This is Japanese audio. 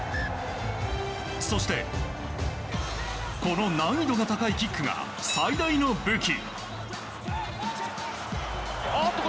そしてこの難易度の高いキックが最大の武器。